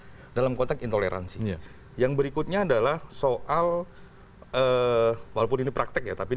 besar dalam konteks intoleransi yang berikutnya adalah soal eh walaupun ini praktik ya tapi